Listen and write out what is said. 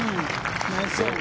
ナイスオン。